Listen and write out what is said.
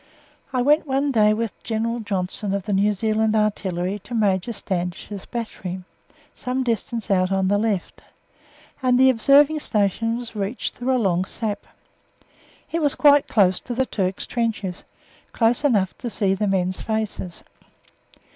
I went one day with General Johnstone of the New Zealand Artillery to Major Standish's Battery, some distance out on the left, and the observing station was reached through a long sap. It was quite close to the Turk's trenches, close enough to see the men's faces.